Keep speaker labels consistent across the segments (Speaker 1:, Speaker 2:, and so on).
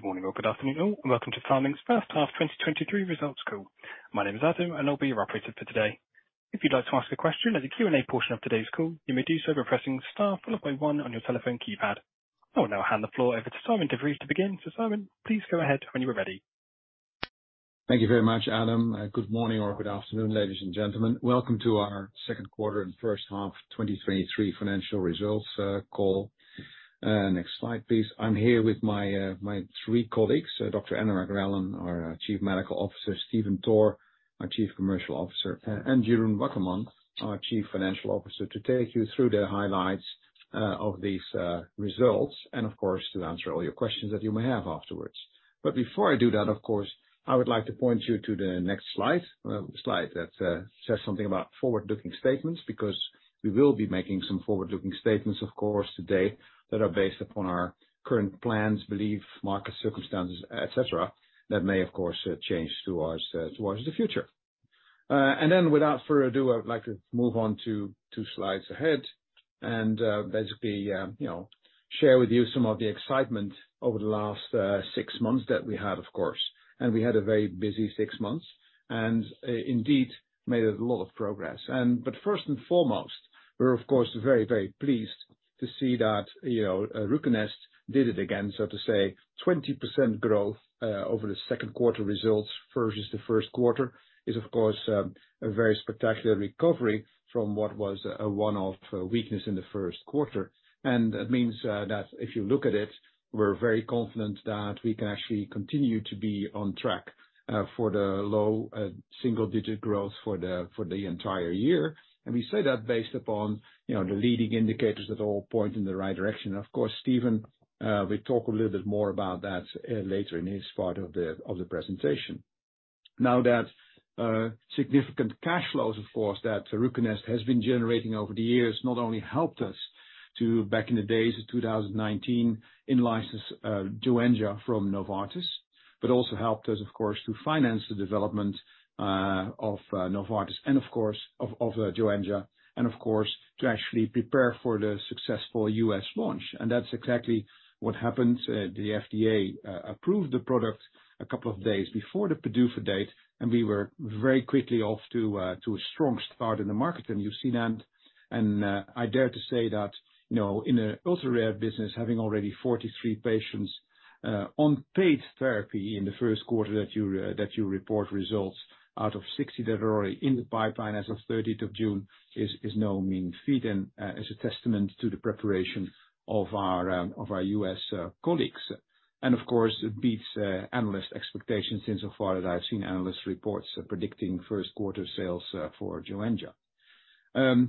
Speaker 1: Good morning or good afternoon, all, and welcome to Pharming's first half 2023 results call. My name is Adam, and I'll be your operator for today. If you'd like to ask a question at the Q&A portion of today's call, you may do so by pressing star followed by 1 on your telephone keypad. I will now hand the floor over to Sijmen de Vries to begin. Sijmen, please go ahead when you are ready.
Speaker 2: Thank you very much, Adam. Good morning or good afternoon, ladies and gentlemen. Welcome to our second quarter and first half 2023 financial results call. Next slide, please. I'm here with my three colleagues, Dr. Anurag Relan, our Chief Medical Officer, Stephen Toor, our Chief Commercial Officer, and Jeroen Wakkerman, our Chief Financial Officer, to take you through the highlights of these results, and of course, to answer all your questions that you may have afterwards. Before I do that, of course, I would like to point you to the next slide, slide, that says something about forward-looking statements, because we will be making some forward-looking statements, of course, today, that are based upon our current plans, belief, market circumstances, et cetera, that may, of course, change towards the future. Without further ado, I would like to move on to two slides ahead and, basically, you know, share with you some of the excitement over the last six months that we had, of course. We had a very busy six months and, indeed, made a lot of progress. First and foremost, we're of course, very, very pleased to see that, you know, RUCONEST did it again, so to say, 20% growth over the second quarter results versus the first quarter, is of course, a very spectacular recovery from what was a one-off weakness in the first quarter. That means that if you look at it, we're very confident that we can actually continue to be on track for the low single-digit growth for the entire year. We say that based upon, you know, the leading indicators that all point in the right direction. Of course, Stephen Toor will talk a little bit more about that later in his part of the presentation. That significant cash flows, of course, that RUCONEST has been generating over the years, not only helped us to, back in the days of 2019, in-license Joenja from Novartis, but also helped us, of course, to finance the development of Novartis and of course, of, of Joenja, and of course, to actually prepare for the successful US launch. That's exactly what happened. The FDA approved the product a couple of days before the PDUFA date, and we were very quickly off to a to a strong start in the market. You've seen that, and I dare to say that, you know, in a ultra-rare business, having already 43 patients on paid therapy in the first quarter, that you report results out of 60 that are already in the pipeline as of 30th of June, is no mean feat, and is a testament to the preparation of our US colleagues. Of course, it beats analysts' expectations insofar as I've seen analysts' reports predicting first quarter sales for Joenja.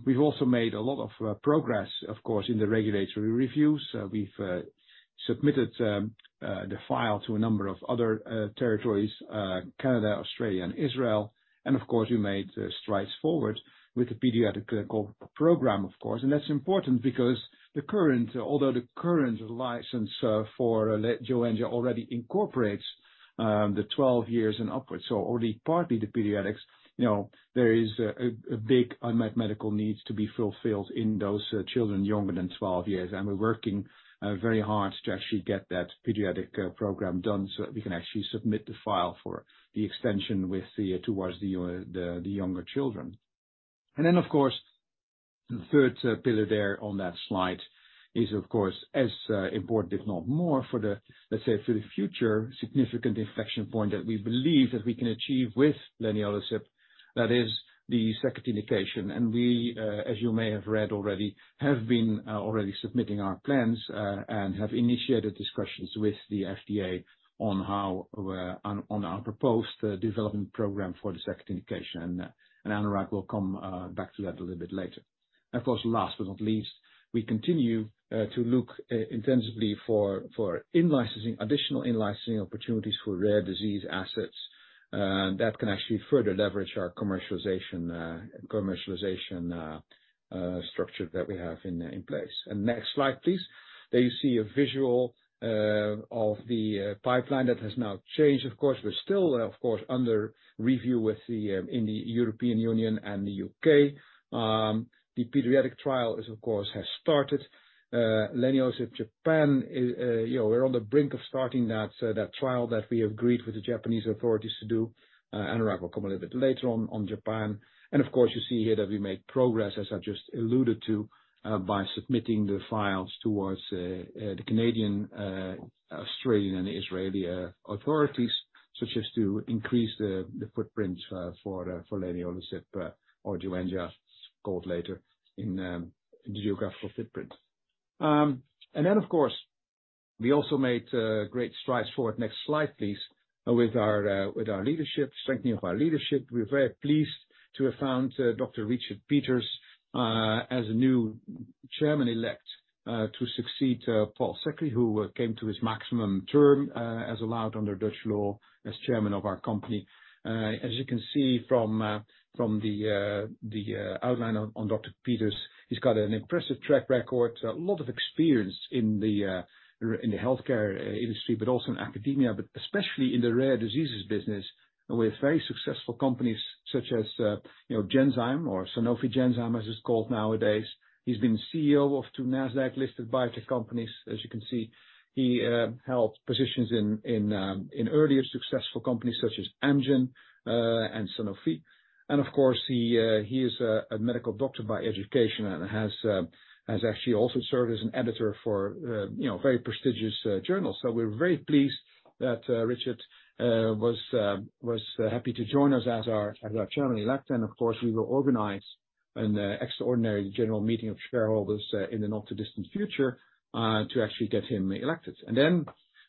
Speaker 2: We've also made a lot of progress, of course, in the regulatory reviews. We've submitted the file to a number of other territories, Canada, Australia, and Israel, and of course, we made strides forward with the pediatric program, of course. That's important because the current... Although the current license for Joenja already incorporates the 12 years and upwards, so already partly the pediatrics, you know, there is a big unmet medical need to be fulfilled in those children younger than 12 years. We're working very hard to actually get that pediatric program done, so that we can actually submit the file for the extension with the towards the younger children. Then, of course, the third pillar there on that slide is, of course, as important, if not more, for the, let's say, for the future significant inflection point that we believe that we can achieve with leniolisib, that is the second indication. We, as you may have read already, have been already submitting our plans and have initiated discussions with the FDA on how on our proposed development program for the second indication, and Anurag will come back to that a little bit later. Of course, last but not least, we continue to look intensively for, for in-licensing, additional in-licensing opportunities for rare disease assets that can actually further leverage our commercialization, commercialization structure that we have in place. Next slide, please. There you see a visual of the pipeline that has now changed, of course. We're still, of course, under review with the in the European Union and the UK. The pediatric trial is, of course, has started. leniolisib Japan is, you know, we're on the brink of starting that trial that we agreed with the Japanese authorities to do. Anurag will come a little bit later on on Japan. Of course, you see here that we made progress, as I've just alluded to, by submitting the files towards the Canadian, Australian and Israeli authorities, so as to increase the footprints for leniolisib, or Joenja, called later, in geographical footprint. Of course, we also made great strides forward, next slide, please, with our with our leadership, strengthening of our leadership. We're very pleased to have found, Dr. Richard Peters, as the new chairman-elect, to succeed Paul Sekhri, who came to his maximum term, as allowed under Dutch law as chairman of our company. As you can see from, from the, the, outline on, on Dr. Peters, he's got an impressive track record, a lot of experience in the healthcare industry, but also in academia, but especially in the rare diseases business, with very successful companies such as, you know, Genzyme or Sanofi Genzyme, as it's called nowadays. He's been CEO of two Nasdaq-listed biotech companies, as you can see. He held positions in, in, in earlier successful companies such as Amgen and Sanofi. Of course, he, he is a, a medical doctor by education and has, has actually also served as an editor for, you know, very prestigious, journals. We're very pleased that Richard was happy to join us as our, as our chairman-elect, and of course, we will organize an extraordinary general meeting of shareholders in the not-too-distant future to actually get him elected.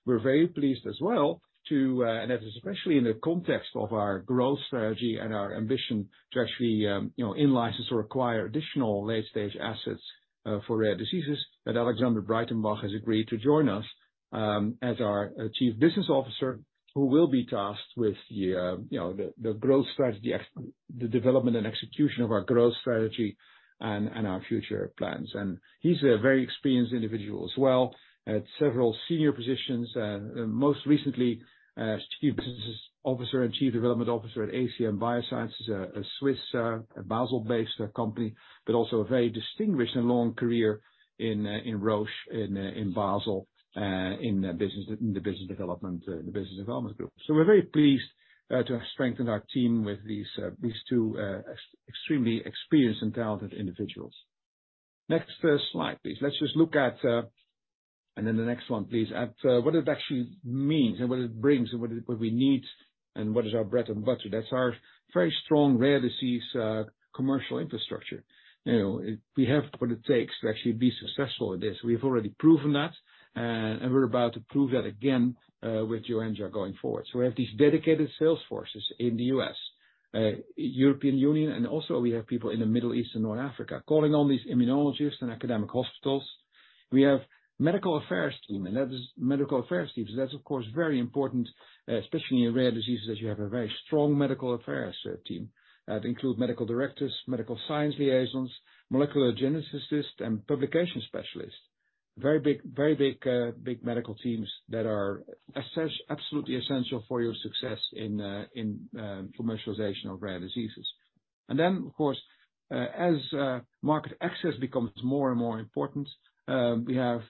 Speaker 2: We're very pleased as well to, and that is especially in the context of our growth strategy and our ambition to actually, you know, in-license or acquire additional late-stage assets, for rare diseases, that Alexander Breidenbach has agreed to join us, as our Chief Business Officer, who will be tasked with the, you know, the, the growth strategy, the development and execution of our growth strategy and, and our future plans. He's a very experienced individual as well, at several senior positions, most recently, as Chief Business Officer and Chief Development Officer at ACM Biosciences, a Swiss, Basel-based company, but also a very distinguished and long career in, in Roche, in, in Basel, in the business, the business development, the business development group. We're very pleased to have strengthened our team with these, these two, extremely experienced and talented individuals. Next slide, please. Let's just look at... Then the next one, please, at what it actually means and what it brings and what it, what we need, and what is our bread and butter. That's our very strong rare disease commercial infrastructure. You know, it, we have what it takes to actually be successful at this. We've already proven that, and we're about to prove that again with Joenja going forward. We have these dedicated sales forces in the U.S., European Union, and also, we have people in the Middle East and North Africa, calling on these immunologists and academic hospitals. We have medical affairs team, and that is medical affairs teams. That's, of course, very important, especially in rare diseases, that you have a very strong medical affairs team. That include medical directors, medical science liaisons, molecular geneticists, and publication specialists. Very big, very big, big medical teams that are absolutely essential for your success in commercialization of rare diseases. Then, of course, as market access becomes more and more important, we have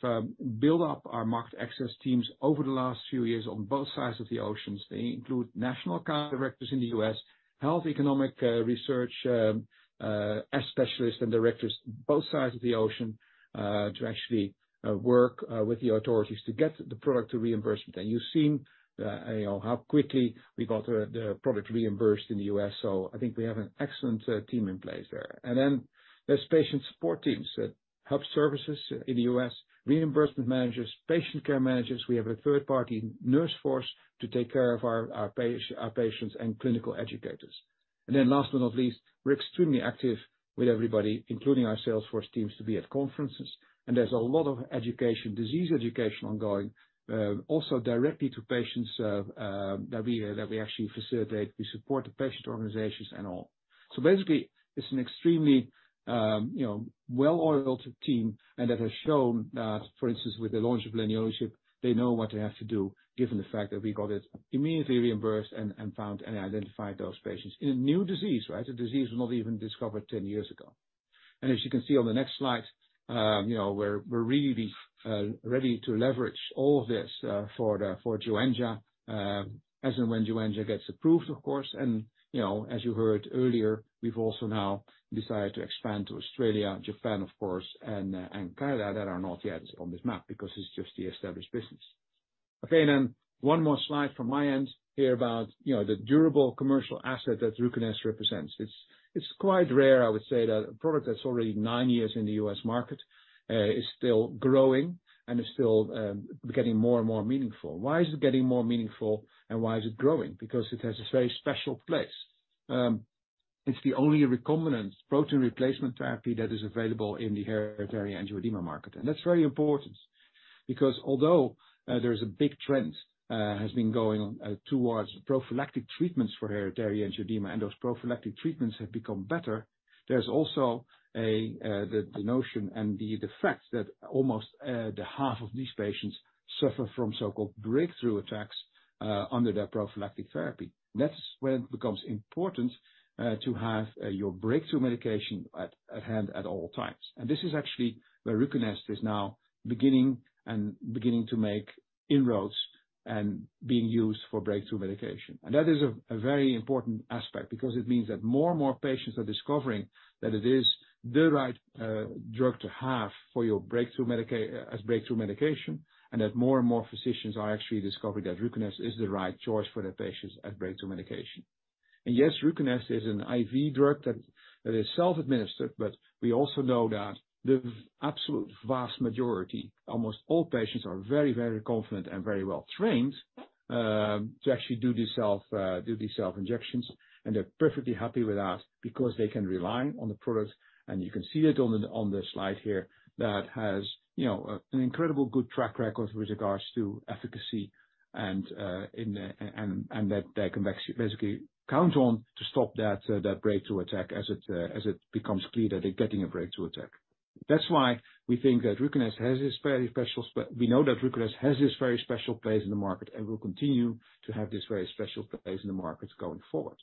Speaker 2: built up our market access teams over the last few years on both sides of the oceans. They include national account directors in the US, health economic research as specialists and directors, both sides of the ocean, to actually work with the authorities to get the product to reimbursement. You've seen, you know, how quickly we got the, the product reimbursed in the U.S., so I think we have an excellent team in place there. Then there's patient support teams that help services in the U.S., reimbursement managers, patient care managers. We have a third-party nurse force to take care of our patients and clinical educators. Then last but not least, we're extremely active with everybody, including our sales force teams, to be at conferences. There's a lot of education, disease education ongoing, also directly to patients, that we, that we actually facilitate. We support the patient organizations and all. Basically, it's an extremely, you know, well-oiled team, and that has shown that, for instance, with the launch of leniolisib, they know what they have to do, given the fact that we got it immediately reimbursed and, and found, and identified those patients in a new disease, right? A disease not even discovered 10 years ago. As you can see on the next slide, you know, we're, we're really ready to leverage all of this for the, for Joenja, as and when Joenja gets approved, of course. You know, as you heard earlier, we've also now decided to expand to Australia, Japan, of course, and Canada, that are not yet on this map, because it's just the established business. One more slide from my end here about, you know, the durable commercial asset that RUCONEST represents. It's, it's quite rare, I would say, that a product that's already nine years in the U.S. market is still growing and is still getting more and more meaningful. Why is it getting more meaningful, and why is it growing? Because it has a very special place. It's the only recombinant protein replacement therapy that is available in the hereditary angioedema market. That's very important because although there's a big trend has been going towards prophylactic treatments for hereditary angioedema, and those prophylactic treatments have become better, there's also a the notion and the fact that almost the half of these patients suffer from so-called breakthrough attacks under their prophylactic therapy. That's when it becomes important to have your breakthrough medication at hand at all times. This is actually where RUCONEST is now beginning, and beginning to make inroads and being used for breakthrough medication. That is a very important aspect because it means that more and more patients are discovering that it is the right drug to have for your breakthrough as breakthrough medication, and that more and more physicians are actually discovering that RUCONEST is the right choice for their patients as breakthrough medication. Yes, RUCONEST is an IV drug that, that is self-administered, but we also know that the absolute vast majority, almost all patients, are very, very confident and very well trained to actually do these self, do these self injections. They're perfectly happy with that because they can rely on the product, and you can see it on the, on the slide here, that has, you know, an incredible good track record with regards to efficacy and that they can actually, basically count on to stop that breakthrough attack as it becomes clear that they're getting a breakthrough attack. That's why we think that RUCONEST has this very special we know that RUCONEST has this very special place in the market, and will continue to have this very special place in the markets going forward.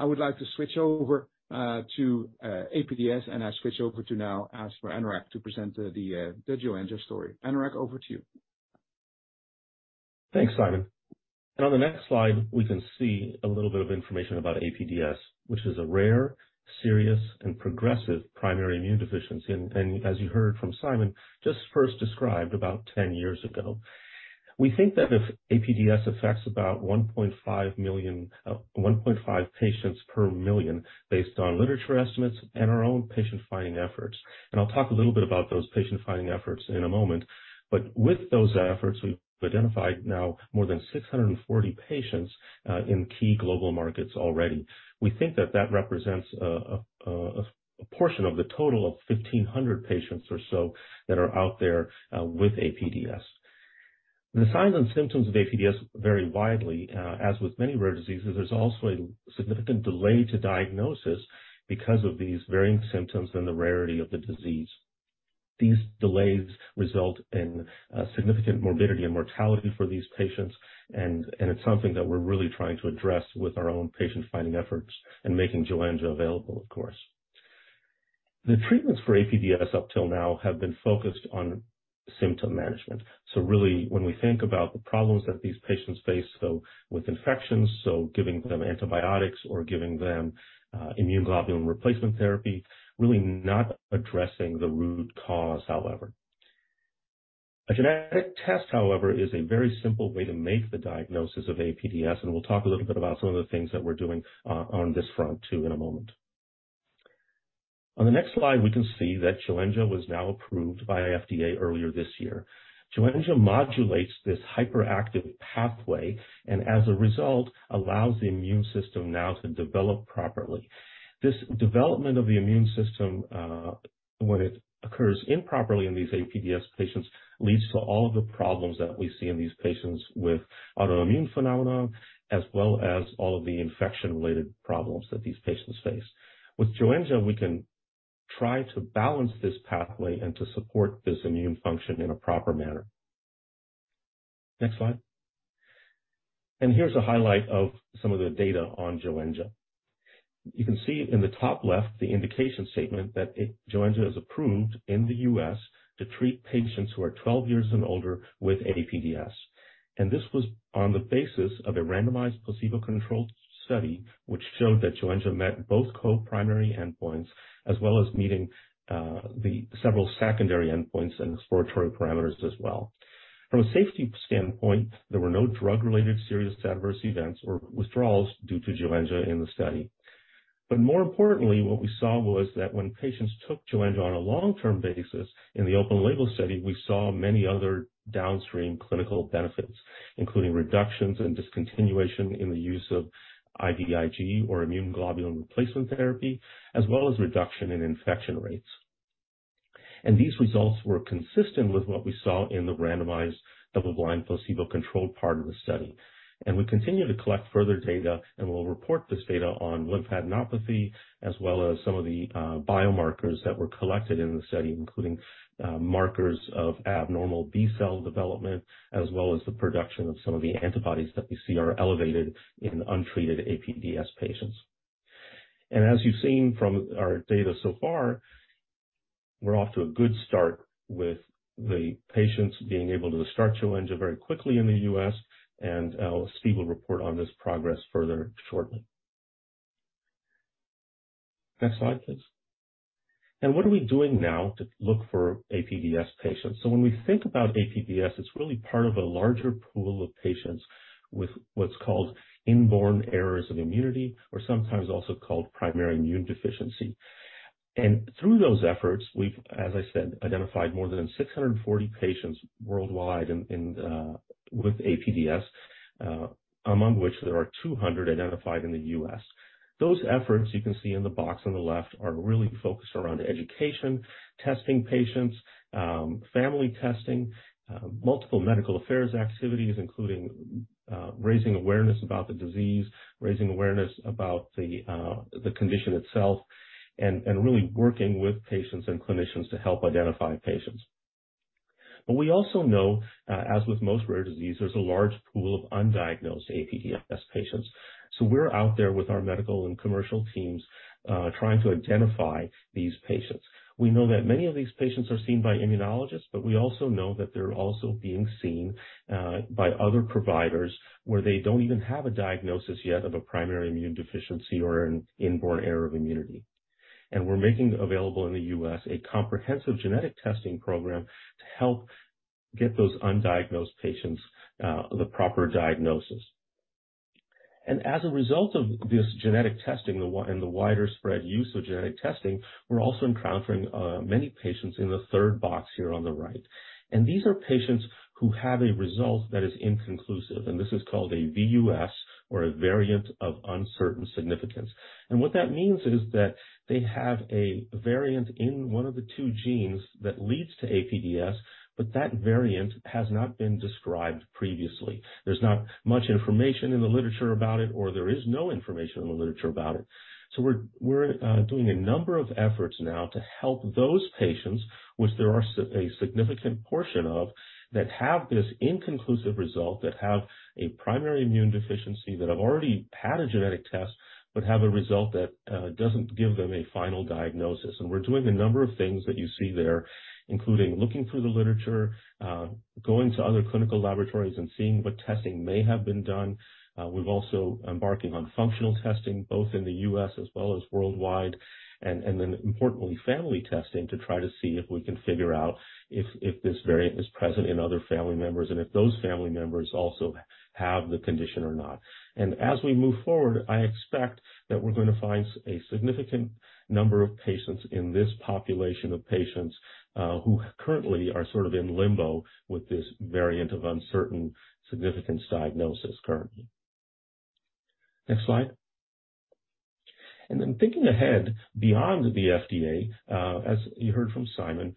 Speaker 2: I would like to switch over to APDS, and I switch over to now ask for Anurag to present the Joenja story. Anurag, over to you.
Speaker 3: Thanks, Sijmen. On the next slide, we can see a little bit of information about APDS, which is a rare, serious, and progressive primary immunodeficiency. As you heard from Sijmen, just first described about 10 years ago. We think that APDS affects about 1.5 patients per million, based on literature estimates and our own patient-finding efforts. I'll talk a little bit about those patient-finding efforts in a moment. With those efforts, we've identified now more than 640 patients in key global markets already. We think that that represents a portion of the total of 1,500 patients or so that are out there with APDS. The signs and symptoms of APDS vary widely, as with many rare diseases, there's also a significant delay to diagnosis because of these varying symptoms and the rarity of the disease. These delays result in significant morbidity and mortality for these patients, and it's something that we're really trying to address with our own patient-finding efforts and making Joenja available, of course. The treatments for APDS up till now have been focused on symptom management. Really, when we think about the problems that these patients face, so with infections, so giving them antibiotics or giving them immune globulin replacement therapy, really not addressing the root cause, however. A genetic test, however, is a very simple way to make the diagnosis of APDS, and we'll talk a little bit about some of the things that we're doing on this front, too, in a moment. On the next slide, we can see that Joenja was now approved by FDA earlier this year. Joenja modulates this hyperactive pathway and as a result, allows the immune system now to develop properly. This development of the immune system, when it occurs improperly in these APDS patients, leads to all of the problems that we see in these patients with autoimmune phenomena, as well as all of the infection-related problems that these patients face. With Joenja, we can try to balance this pathway and to support this immune function in a proper manner. Next slide. Here's a highlight of some of the data on Joenja. You can see in the top left, the indication statement that it, Joenja is approved in the US to treat patients who are 12 years and older with APDS. This was on the basis of a randomized, placebo-controlled study, which showed that Joenja met both co-primary endpoints, as well as meeting the several secondary endpoints and exploratory parameters as well. From a safety standpoint, there were no drug-related serious adverse events or withdrawals due to Joenja in the study. More importantly, what we saw was that when patients took Joenja on a long-term basis in the open-label study, we saw many other downstream clinical benefits, including reductions in discontinuation, in the use of IVIG or immune globulin replacement therapy, as well as reduction in infection rates. These results were consistent with what we saw in the randomized, double-blind, placebo-controlled part of the study. We continue to collect further data, and we'll report this data on lymphadenopathy, as well as some of the biomarkers that were collected in the study, including markers of abnormal B-cell development, as well as the production of some of the antibodies that we see are elevated in untreated APDS patients. As you've seen from our data so far, we're off to a good start with the patients being able to start Joenja very quickly in the US, and Steve will report on this progress further shortly. Next slide, please. What are we doing now to look for APDS patients? When we think about APDS, it's really part of a larger pool of patients with what's called inborn errors of immunity or sometimes also called primary immunodeficiency. Through those efforts, we've, as I said, identified more than 640 patients worldwide in, in, with APDS, among which there are 200 identified in the US. Those efforts, you can see in the box on the left, are really focused around education, testing patients, family testing, multiple medical affairs activities, including raising awareness about the disease, raising awareness about the condition itself, and, and really working with patients and clinicians to help identify patients. We also know, as with most rare diseases, there's a large pool of undiagnosed APDS patients. We're out there with our medical and commercial teams, trying to identify these patients. We know that many of these patients are seen by immunologists, but we also know that they're also being seen by other providers where they don't even have a diagnosis yet of a primary immunodeficiency or an inborn errors of immunity. We're making available in the US a comprehensive genetic testing program to help get those undiagnosed patients the proper diagnosis. As a result of this genetic testing, and the wider spread use of genetic testing, we're also encountering many patients in the third box here on the right. These are patients who have a result that is inconclusive, and this is called a VUS or a variant of uncertain significance. What that means is that they have a variant in one of the two genes that leads to APDS, but that variant has not been described previously. There's not much information in the literature about it, or there is no information in the literature about it. We're doing a number of efforts now to help those patients, which there are a significant portion of, that have this inconclusive result, that have a primary immunodeficiency, that have already had a genetic test, but have a result that doesn't give them a final diagnosis. We're doing a number of things that you see there, including looking through the literature, going to other clinical laboratories and seeing what testing may have been done. We've also embarking on functional testing, both in the US as well as worldwide. Then importantly, family testing, to try to see if we can figure out if this variant is present in other family members, and if those family members also have the condition or not. As we move forward, I expect that we're going to find a significant number of patients in this population of patients, who currently are sort of in limbo with this Variant of Uncertain Significance diagnosis currently. Next slide. Then thinking ahead beyond the FDA, as you heard from Sijmen,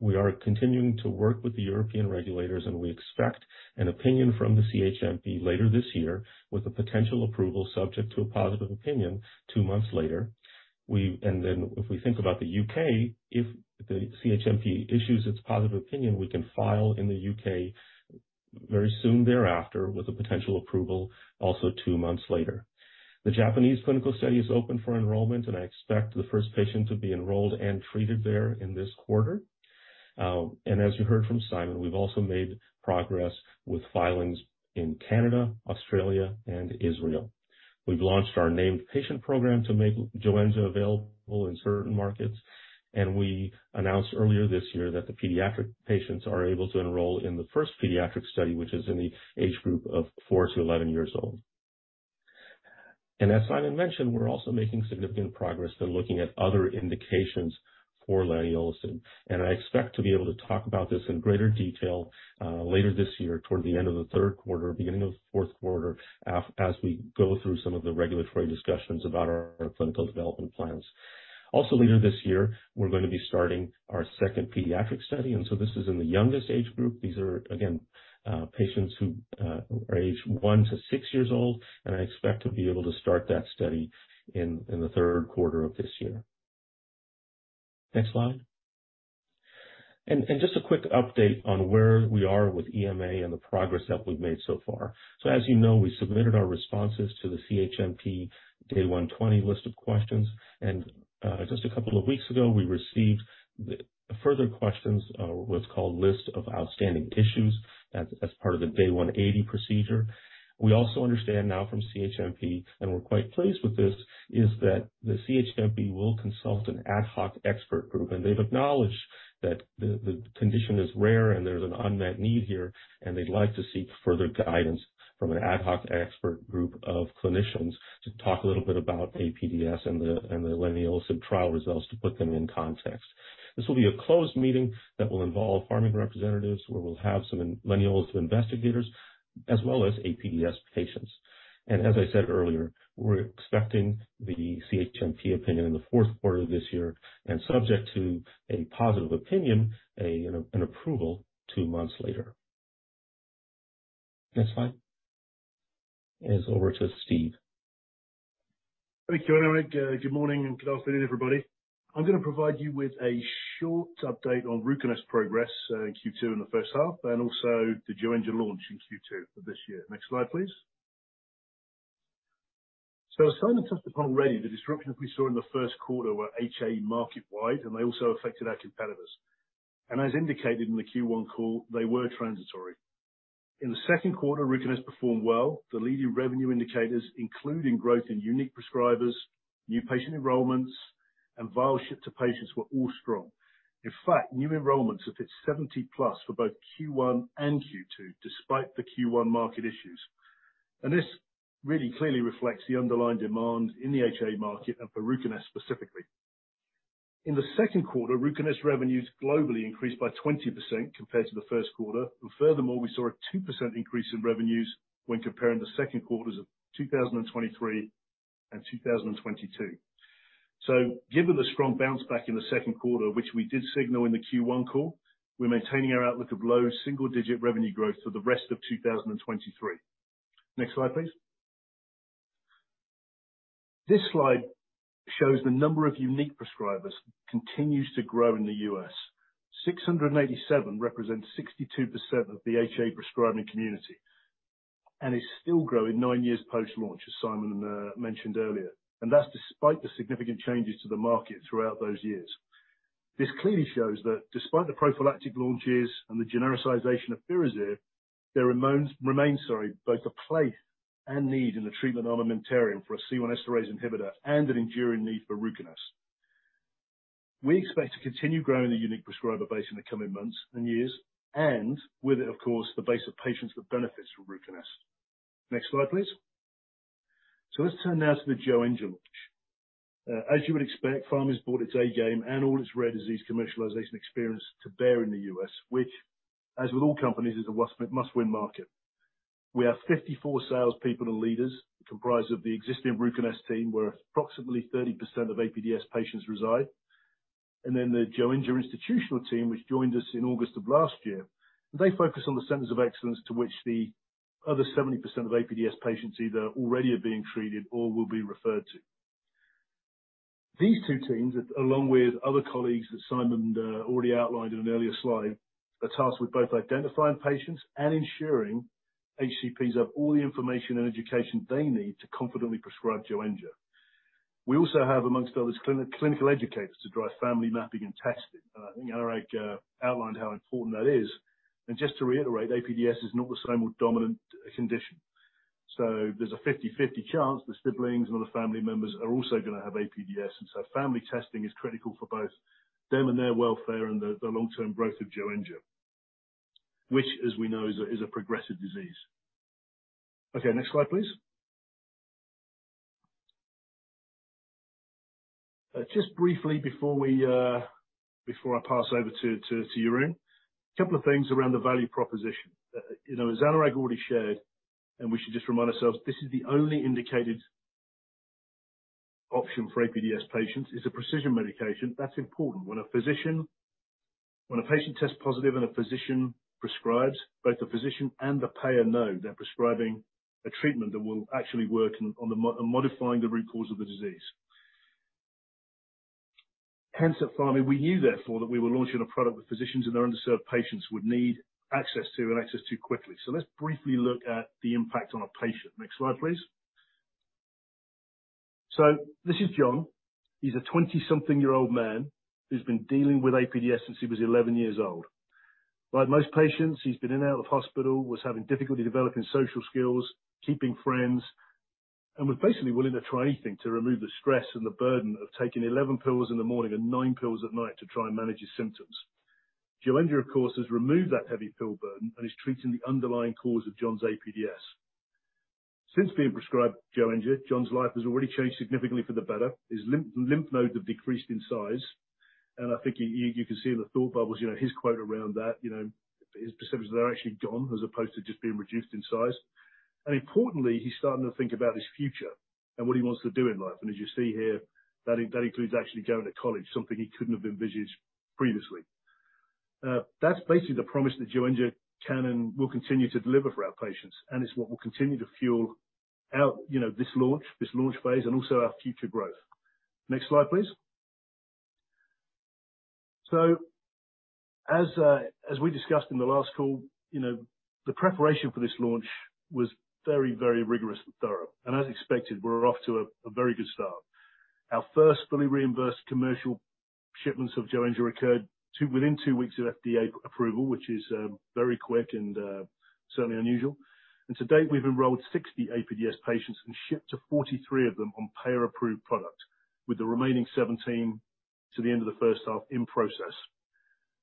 Speaker 3: we are continuing to work with the European regulators, and we expect an opinion from the CHMP later this year, with a potential approval subject to a positive opinion 2 months later. We... Then, if we think about the UK, if the CHMP issues its positive opinion, we can file in the UK very soon thereafter, with a potential approval also 2 months later. The Japanese clinical study is open for enrollment, and I expect the first patient to be enrolled and treated there in this quarter. And as you heard from Sijmen, we've also made progress with filings in Canada, Australia, and Israel. We've launched our named patient program to make Joenja available in certain markets, and we announced earlier this year that the pediatric patients are able to enroll in the first pediatric study, which is in the age group of 4-11 years old. As Sijmen mentioned, we're also making significant progress in looking at other indications for leniolisib, and I expect to be able to talk about this in greater detail later this year, toward the end of the third quarter, beginning of the fourth quarter, as we go through some of the regulatory discussions about our clinical development plans. Later this year, we're going to be starting our second pediatric study, this is in the youngest age group. These are, again, patients who are age one to six years old, and I expect to be able to start that study in the third quarter of this year. Next slide. Just a quick update on where we are with EMA and the progress that we've made so far. As you know, we submitted our responses to the CHMP Day 120 List of Questions, and just a couple of weeks ago, we received the further questions, what's called List of Outstanding Issues, as part of the Day 180 procedure. We also understand now from CHMP, and we're quite pleased with this, is that the CHMP will consult an Ad Hoc Expert Group, and they've acknowledged that the condition is rare, and there's an unmet need here, and they'd like to seek further guidance from an Ad Hoc Expert Group of clinicians, to talk a little bit about APDS and the leniolisib trial results, to put them in context. This will be a closed meeting that will involve Pharming representatives, where we'll have some leniolisib investigators, as well as APDS patients. As I said earlier, we're expecting the CHMP opinion in the fourth quarter of this year, and subject to a positive opinion, an approval two months later. Next slide. It's over to Steve.
Speaker 4: Thank you, Anurag. Good morning, and good afternoon, everybody. I'm going to provide you with a short update on RUCONEST progress in Q2 in the first half, and also the Joenja launch in Q2 of this year. Next slide, please. Sijmen touched upon already, the disruptions we saw in the first quarter were HAE market-wide, and they also affected our competitors. As indicated in the Q1 call, they were transitory. In the second quarter, RUCONEST performed well. The leading revenue indicators, including growth in unique prescribers, new patient enrollments, and vial ship to patients, were all strong. In fact, new enrollments have hit 70+ for both Q1 and Q2, despite the Q1 market issues. This really clearly reflects the underlying demand in the HAE market and for RUCONEST specifically. In the second quarter, RUCONEST revenues globally increased by 20% compared to the first quarter. Furthermore, we saw a 2% increase in revenues when comparing the second quarters of 2023 and 2022. Given the strong bounce back in the second quarter, which we did signal in the Q1 call, we're maintaining our outlook of low single-digit revenue growth for the rest of 2023. Next slide, please. This slide shows the number of unique prescribers continues to grow in the U.S. 687 represents 62% of the HAE prescribing community, and is still growing nine years post-launch, as Sijmen mentioned earlier, and that's despite the significant changes to the market throughout those years. This clearly shows that despite the prophylactic launches and the genericization of Firazyr, there remains, both a place and need in the treatment armamentarium for a C1 esterase inhibitor and an enduring need for RUCONEST. We expect to continue growing the unique prescriber base in the coming months and years, and with it, of course, the base of patients that benefits from RUCONEST. Next slide, please. Let's turn now to the Joenja launch. As you would expect, Pharming bought its A game and all its rare disease commercialization experience to bear in the U.S., which, as with all companies, is a must-win, must-win market. We have 54 salespeople and leaders comprised of the existing RUCONEST team, where approximately 30% of APDS patients reside, and then the Joenja institutional team, which joined us in August of last year. They focus on the centers of excellence to which the other 70% of APDS patients either already are being treated or will be referred to. These two teams, along with other colleagues that Sijmen already outlined in an earlier slide, are tasked with both identifying patients and ensuring HCPs have all the information and education they need to confidently prescribe Joenja. We also have, amongst others, clinical educators to drive family mapping and testing. I think Anurag outlined how important that is. Just to reiterate, APDS is not the same with dominant condition, so there's a 50/50 chance the siblings and other family members are also gonna have APDS. So family testing is critical for both them and their welfare and the, the long-term growth of Joenja, which, as we know, is a, is a progressive disease. Okay, next slide, please. Just briefly, before I pass over to Jeroen, a couple of things around the value proposition. You know, as Anurag already shared, and we should just remind ourselves, this is the only indicated option for APDS patients, is a precision medication. That's important. When a patient tests positive and a physician prescribes, both the physician and the payer know they're prescribing a treatment that will actually work on modifying the root cause of the disease. Hence, at Pharming, we knew therefore, that we were launching a product with physicians and their underserved patients would need access to, and access to quickly. Let's briefly look at the impact on a patient. Next slide, please. This is John. He's a twenty-something-year-old man who's been dealing with APDS since he was 11 years old. Like most patients, he's been in and out of hospital, was having difficulty developing social skills, keeping friends, and was basically willing to try anything to remove the stress and the burden of taking 11 pills in the morning and 9 pills at night to try and manage his symptoms. Joenja, of course, has removed that heavy pill burden and is treating the underlying cause of John's APDS. Since being prescribed Joenja, John's life has already changed significantly for the better. His lymph nodes have decreased in size, and I think you, you, you can see in the thought bubbles, you know, his quote around that, you know, his percentages are actually gone as opposed to just being reduced in size. Importantly, he's starting to think about his future and what he wants to do in life. As you see here, that includes actually going to college, something he couldn't have envisaged previously. That's basically the promise that Joenja can and will continue to deliver for our patients, and it's what will continue to fuel our, you know, this launch, this launch phase, and also our future growth. Next slide, please. As we discussed in the last call, you know, the preparation for this launch was very, very rigorous and thorough, and as expected, we're off to a very good start. Our first fully reimbursed commercial shipments of Joenja occurred within 2 weeks of FDA approval, which is very quick and certainly unusual. To date, we've enrolled 60 APDS patients and shipped to 43 of them on payer-approved product, with the remaining 17 to the end of the first half in process.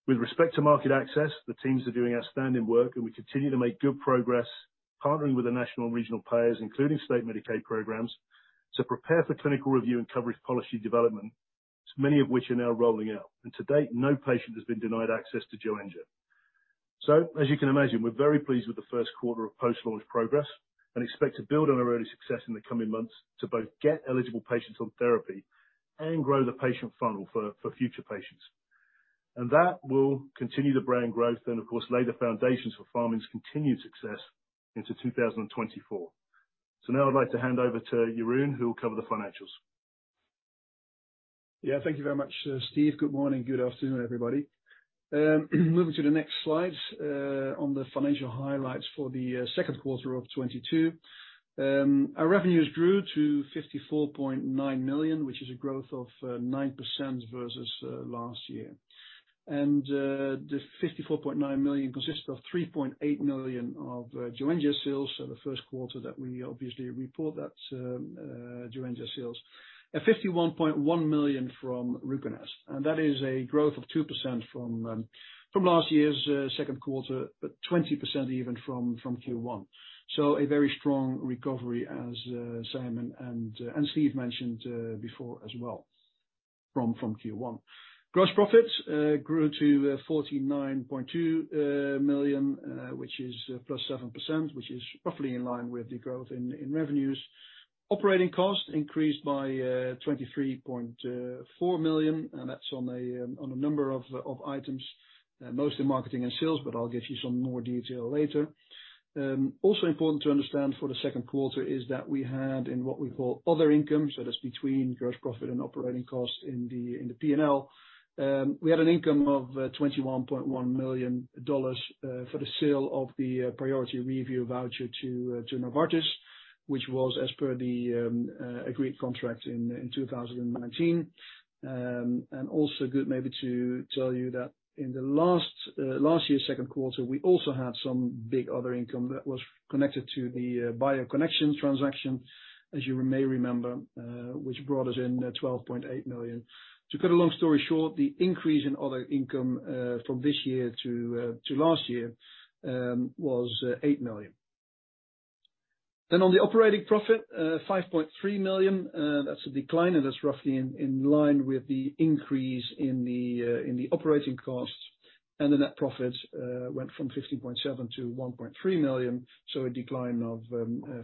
Speaker 4: With respect to market access, the teams are doing outstanding work, and we continue to make good progress, partnering with the national and regional payers, including state Medicaid programs, to prepare for clinical review and coverage policy development, many of which are now rolling out. To date, no patient has been denied access to Joenja. As you can imagine, we're very pleased with the first quarter of post-launch progress and expect to build on our early success in the coming months to both get eligible patients on therapy and grow the patient funnel for future patients. That will continue the brand growth and, of course, lay the foundations for Pharming's continued success into 2024. Now I'd like to hand over to Jeroen, who will cover the financials.
Speaker 5: Yeah, thank you very much, Steve. Good morning. Good afternoon, everybody. Moving to the next slide, on the financial highlights for the second quarter of 2022. Our revenues grew to 54.9 million, which is a growth of 9% versus last year. The 54.9 million consists of 3.8 million of Joenja sales. The first quarter that we obviously report that, Joenja sales. 51.1 million from RUCONEST, and that is a growth of 2% from last year's second quarter, but 20% even from Q1. A very strong recovery as Sijmen and Steve mentioned before as well, from Q1. Gross profit grew to $49.2 million, which is +7%, which is roughly in line with the growth in revenues. Operating costs increased by $23.4 million. That's on a number of items, mostly marketing and sales, but I'll give you some more detail later. Also important to understand for the second quarter is that we had in what we call other income, so that's between gross profit and operating costs in the P&L. We had an income of $21.1 million for the sale of the priority review voucher to Novartis, which was as per the agreed contract in 2019. Also good maybe to tell you that in the last last year's second quarter, we also had some big other income that was connected to the BioConnection transaction, as you may remember, which brought us in 12.8 million. To cut a long story short, the increase in other income from this year to last year was 8 million. On the operating profit, 5.3 million, that's a decline, and that's roughly in line with the increase in the operating costs. The net profit went from 15.7 million to 1.3 million, so a decline of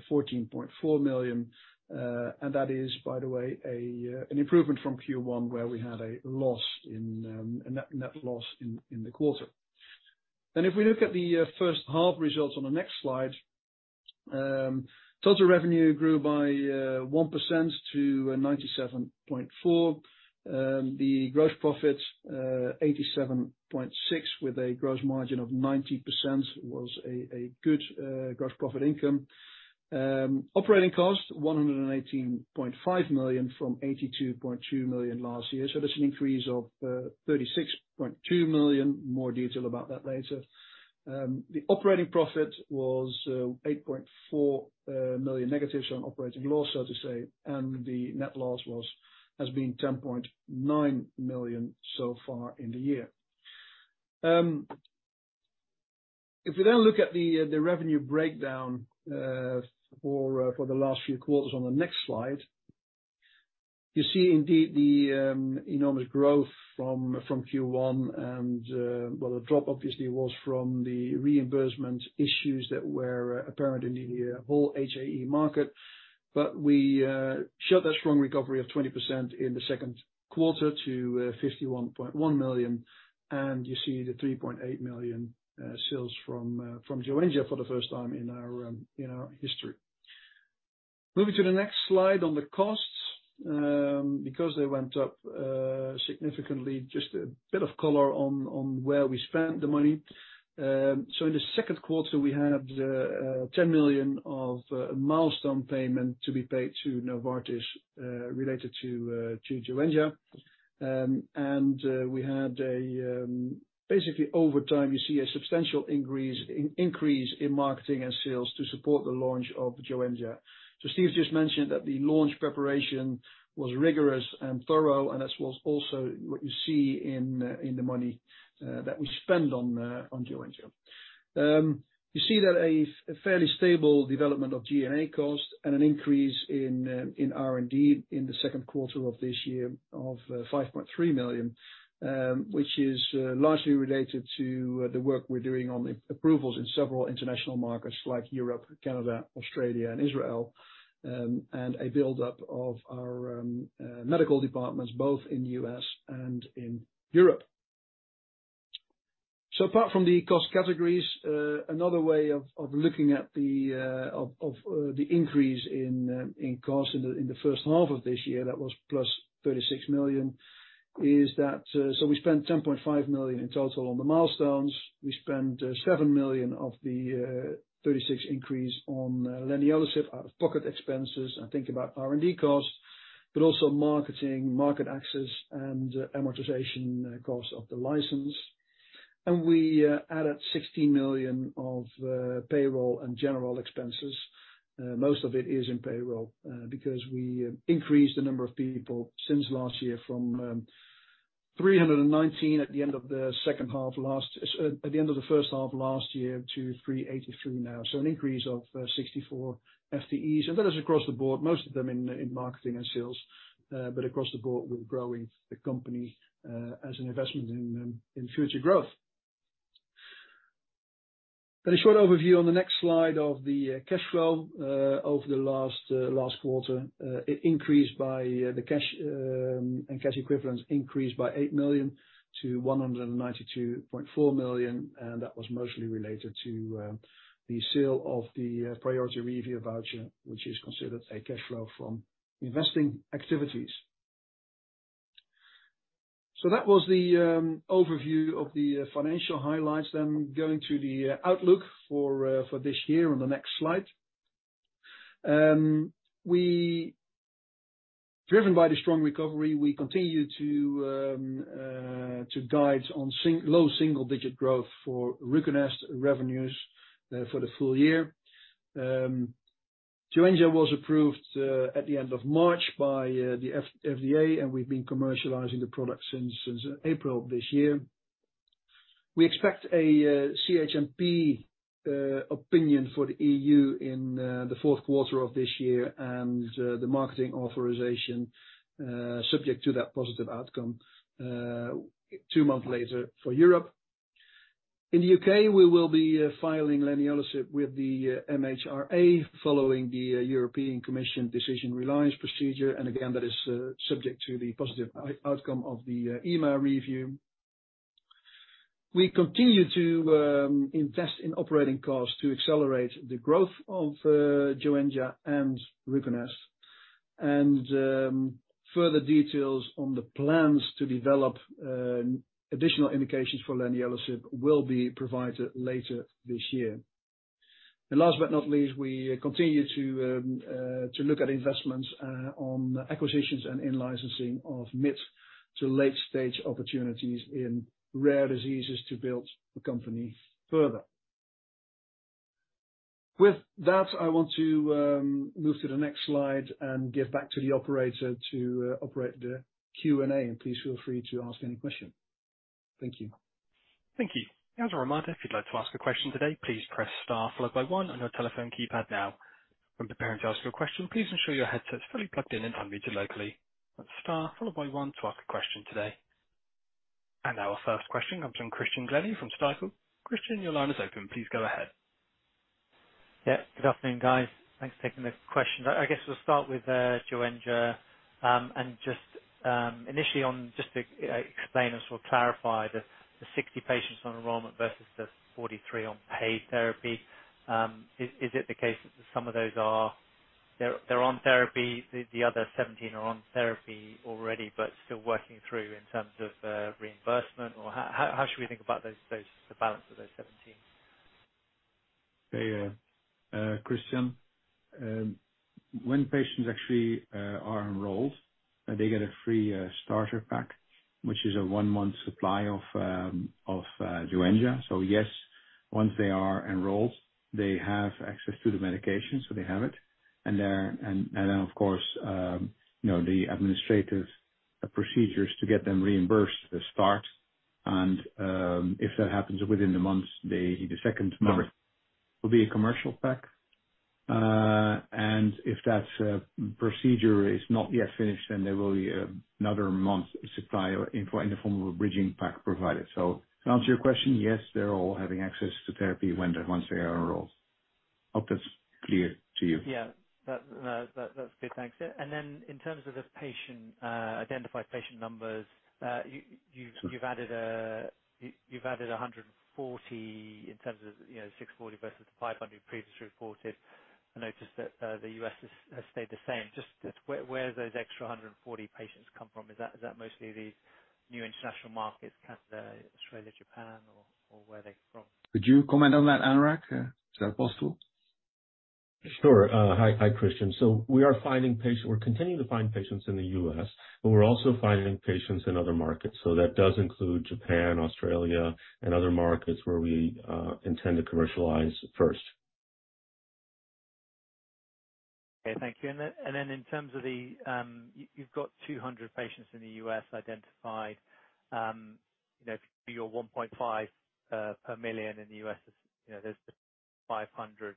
Speaker 5: 14.4 million. That is, by the way, an improvement from Q1, where we had a loss in a net, net loss in the quarter. If we look at the first half results on the next slide, total revenue grew by 1% to 97.4. The gross profit, 87.6, with a gross margin of 90%, was a good gross profit income. Operating cost 118.5 million from 82.2 million last year, so that's an increase of 36.2 million. More detail about that later. The operating profit was 8.4 million negative, so an operating loss, so to say, and the net loss has been 10.9 million so far in the year. If we then look at the revenue breakdown for for the last few quarters on the next slide, you see indeed the enormous growth from from Q1. Well, the drop obviously was from the reimbursement issues that were apparent in the whole HAE market. We showed a strong recovery of 20% in the second quarter to $51.1 million, and you see the $3.8 million sales from from Joenja for the first time in our in our history. Moving to the next slide on the costs, because they went up significantly, just a bit of color on on where we spent the money. In the second quarter, we had $10 million of milestone payment to be paid to Novartis related to Joenja. Basically, over time, you see a substantial increase, increase in marketing and sales to support the launch of Joenja. Steve just mentioned that the launch preparation was rigorous and thorough, and this was also what you see in the money that we spend on Joenja. You see that a fairly stable development of G&A cost and an increase in R&D in the second quarter of this year of $5.3 million, which is largely related to the work we're doing on the approvals in several international markets like Europe, Canada, Australia and Israel, and a build-up of our medical departments, both in the U.S. and in Europe. Apart from the cost categories, another way of looking at the increase in cost in the first half of this year, that was +$36 million, is that we spent $10.5 million in total on the milestones. We spent $7 million of the $36 increase on leniolisib out-of-pocket expenses. Think about R&D costs, but also marketing, market access, and amortization costs of the license. We added $16 million of payroll and general expenses. Most of it is in payroll because we increased the number of people since last year from 319 at the end of the second half last, at the end of the first half of last year to 383 now, so an increase of 64 FTEs, and that is across the board, most of them in marketing and sales, but across the board, we're growing the company as an investment in future growth. A short overview on the next slide of the cash flow. Over the last last quarter, it increased by the cash and cash equivalents increased by $8 million to $192.4 million, and that was mostly related to the sale of the priority review voucher, which is considered a cash flow from investing activities. That was the overview of the financial highlights. Going to the outlook for for this year on the next slide. We... Driven by the strong recovery, we continue to guide on low single-digit growth for RUCONEST revenues for the full year. Joenja was approved at the end of March by the FDA, and we've been commercializing the product since since April of this year. We expect a CHMP opinion for the EU in the fourth quarter of this year, the marketing authorization, subject to that positive outcome, two months later for Europe. In the UK, we will be filing leniolisib with the MHRA, following the European Commission Decision Reliance procedure, again, that is subject to the positive outcome of the EMA review. We continue to invest in operating costs to accelerate the growth of Joenja and RUCONEST. Further details on the plans to develop additional indications for leniolisib will be provided later this year. Last but not least, we continue to look at investments on acquisitions and in-licensing of mid- to late-stage opportunities in rare diseases to build the company further. With that, I want to move to the next slide and give back to the operator to operate the Q&A. Please feel free to ask any question. ... Thank you.
Speaker 1: Thank you. As a reminder, if you'd like to ask a question today, please press star followed by one on your telephone keypad now. When preparing to ask your question, please ensure your headset is fully plugged in and unmuted locally. Press star followed by one to ask a question today. Our first question comes from Christian Glennie from Stifel. Christian, your line is open. Please go ahead.
Speaker 6: Yeah. Good afternoon, guys. Thanks for taking the question. I guess we'll start with Joenja, and just initially on just to explain or clarify the 60 patients on enrollment versus the 43 on paid therapy. Is, is it the case that some of those they're, they're on therapy already, but still working through in terms of reimbursement? Or how, how, how should we think about those, those, the balance of those 17?
Speaker 2: Hey, Christian, when patients actually are enrolled, they get a free starter pack, which is a 1-month supply of Joenja. Yes, once they are enrolled, they have access to the medication, so they have it. Of course, you know, the administrative procedures to get them reimbursed, they start. If that happens within the month, the second month will be a commercial pack. If that procedure is not yet finished, then there will be another month's supply in the form of a bridging pack provided. Yes, they're all having access to therapy once they are enrolled. I hope that's clear to you.
Speaker 6: Yeah. That, that, that's good. Thanks. Then in terms of the patient, identified patient numbers, you've added 140 in terms of, you know, 640 versus the 500 you previously reported. I noticed that, the U.S. has stayed the same. Just where, where those extra 140 patients come from? Is that, is that mostly the new international markets, Canada, Australia, Japan, or, or where are they from?
Speaker 2: Could you comment on that, Anurag? Is that possible?
Speaker 3: Sure. Hi, hi, Christian. We are finding patients... We're continuing to find patients in the U.S., but we're also finding patients in other markets. That does include Japan, Australia, and other markets where we intend to commercialize first.
Speaker 6: Okay, thank you. Then, and then in terms of the- you've got 200 patients in the U.S. identified, you know, your 1.5 per million in the US, you know, there's 500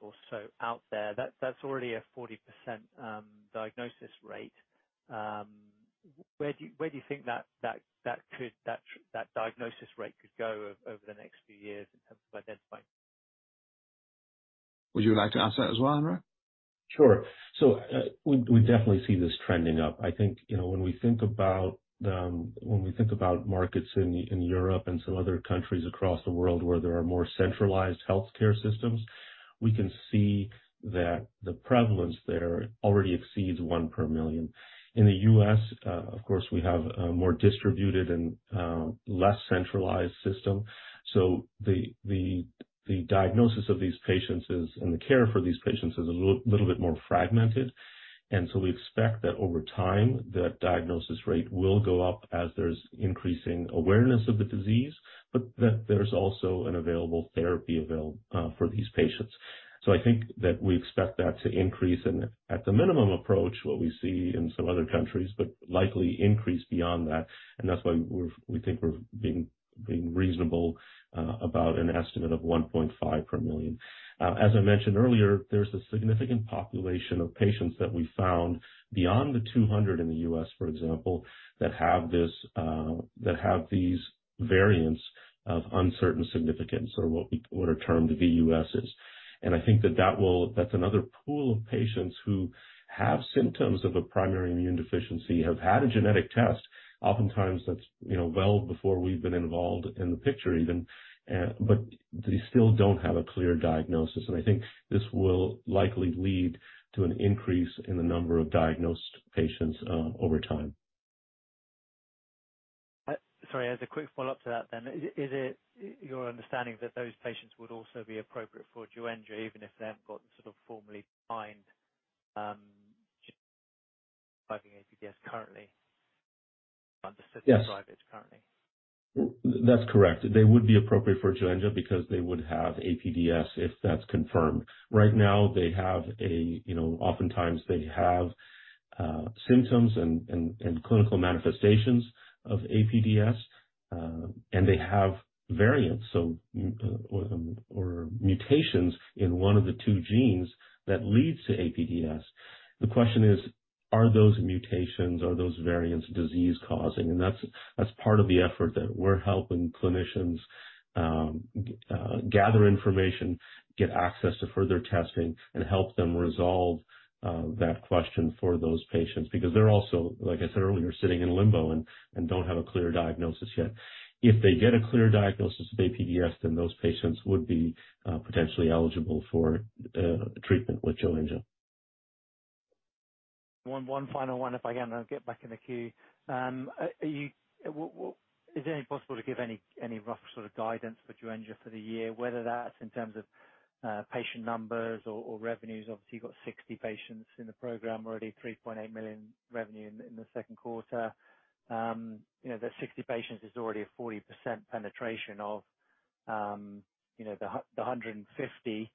Speaker 6: or so out there. That, that's already a 40% diagnosis rate. Where do you, where do you think that, that, that could, that, that diagnosis rate could go over the next few years in terms of identifying?
Speaker 2: Would you like to answer that as well, Anurag?
Speaker 3: Sure. We, we definitely see this trending up. I think, you know, when we think about, when we think about markets in Europe and some other countries across the world where there are more centralized healthcare systems, we can see that the prevalence there already exceeds 1 per million. In the U.S., of course, we have a more distributed and less centralized system, so the, the, the diagnosis of these patients is, and the care for these patients is a little bit more fragmented. We expect that over time, that diagnosis rate will go up as there's increasing awareness of the disease, but that there's also an available therapy avail- for these patients. I think that we expect that to increase, and at the minimum approach, what we see in some other countries, but likely increase beyond that, and that's why we're, we think we're being, being reasonable about an estimate of 1.5 per million. As I mentioned earlier, there's a significant population of patients that we found beyond the 200 in the U.S., for example, that have this that have these variants of uncertain significance, or what are termed VUSs. I think that That's another pool of patients who have symptoms of a primary immunodeficiency, have had a genetic test, oftentimes that's, you know, well before we've been involved in the picture even, but they still don't have a clear diagnosis. I think this will likely lead to an increase in the number of diagnosed patients over time.
Speaker 6: Sorry, as a quick follow-up to that then, is, is it your understanding that those patients would also be appropriate for Joenja, even if they haven't gotten sort of formally find, APDS currently?
Speaker 3: Yes.
Speaker 6: APDS currently.
Speaker 3: That's correct. They would be appropriate for Joenja because they would have APDS if that's confirmed. Right now, they have a, you know, oftentimes they have symptoms and, and, and clinical manifestations of APDS, and they have variants, so, or, or mutations in one of the two genes that leads to APDS. The question is: Are those mutations, are those variants, disease-causing? That's, that's part of the effort that we're helping clinicians gather information, get access to further testing, and help them resolve that question for those patients. Because they're also, like I said earlier, sitting in limbo and, and don't have a clear diagnosis yet. If they get a clear diagnosis of APDS, then those patients would be potentially eligible for treatment with Joenja.
Speaker 6: One, one final one, if I can, I'll get back in the queue. Is it possible to give any, any rough sort of guidance for Joenja for the year, whether that's in terms of patient numbers or, or revenues? Obviously, you've got 60 patients in the program already, $3.8 million revenue in the second quarter. You know, the 60 patients is already a 40% penetration of, you know, the 150